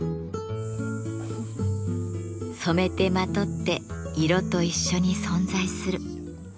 染めてまとって色と一緒に存在する。